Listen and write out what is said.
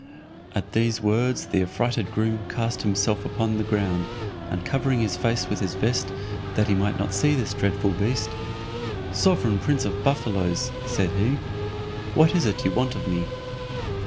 At these words the affrighted groom cast himself upon the ground, and covering his face with his vest, that he might not see this dreadful beast, "Sovereign prince of buffaloes," said he, "what is it you want of me?"